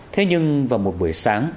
thế nhưng vào một buổi sáng